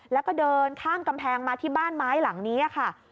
แล้วก็เดินข้ามกำแพงมาที่บ้านไม้หลังนี้ค่ะ